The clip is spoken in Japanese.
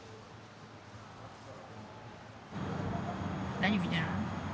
何見てるの？